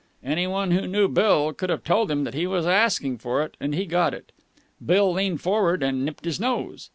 Any one who knew Bill could have told him that he was asking for it, and he got it. Bill leaned forward and nipped his nose.